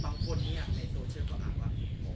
บางคนเนี้ยในโตเชือก็อ่านว่าบอกว่า